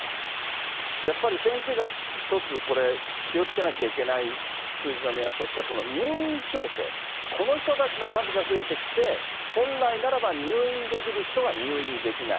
やっぱり先生が一つこれ、気をつけなきゃいけない数字の目安としては、この入院調整、この人たちの数が増えてきて、本来ならば入院できる人が入院できない。